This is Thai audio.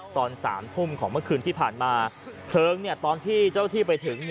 ตอน๓ทุ่มของเมื่อคืนที่ผ่านมาเพลิงตอนที่เจ้าที่ไปถึง